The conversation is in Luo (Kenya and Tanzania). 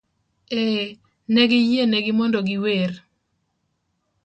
Ee, ne giyienegi mondo giwer.